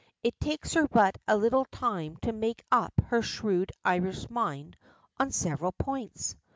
It takes her but a little time to make up her shrewd Irish mind on several points.